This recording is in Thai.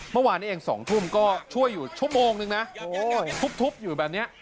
เมื่อวานนี้เอง๒ทุ่มก็ช่วยอยู่ชั่วโมงนึงนะทุบอยู่แบบนี้